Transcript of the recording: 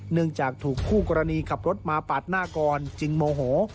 เนื่องจากถูกคู่กรณีขับรถมาปาดหน้ากรจึงโมโห